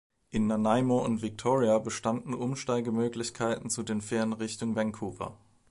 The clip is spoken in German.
In Nanaimo und Victoria bestanden Umsteigemöglichkeiten zu den Fähren Richtung Vancouver.